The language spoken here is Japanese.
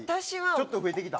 ちょっと増えてきた？